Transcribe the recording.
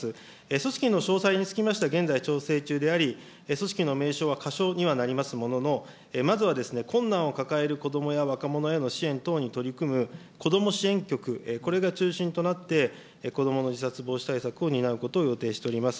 組織の詳細につきましては、現在、調整中であり、組織の名称は仮称にはなりますものの、まずは、困難を抱える子どもや若者への支援等に取り組む、こども支援局、これが中心となって、子どもの自殺防止対策を担うことを予定しております。